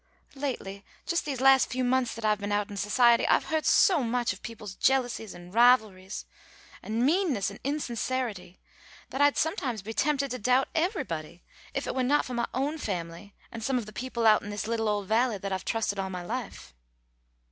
Lately, just these last few months that I've been out in society I've heard so much of people's jealousies and rivalries and meannesses and insincerity, that I'd sometimes be tempted to doubt everybody, if it were not for my own family and some of the people out in this little old Valley that I've trusted all my life.